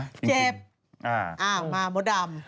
เจ็บ